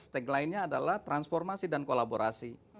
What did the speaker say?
stake lainnya adalah transformasi dan kolaborasi